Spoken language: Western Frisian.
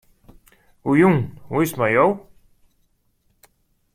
Goejûn, hoe is 't mei jo?